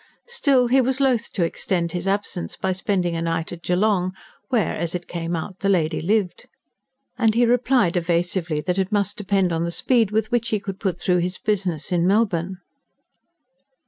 Still, he was loath to extend his absence by spending a night at Geelong, where, a, it came out, the lady lived; and he replied evasively that it must depend on the speed with which he could put through his business in Melbourne.